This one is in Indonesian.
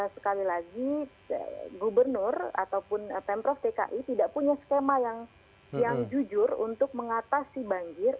sekali lagi gubernur ataupun pemprov dki tidak punya skema yang jujur untuk mengatasi banjir